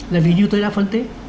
là vì như tôi đã phân tích